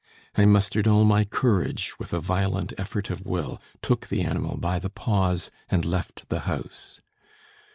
I mustered all my courage with a violent effort of will, took the animal by the paws, and left the house.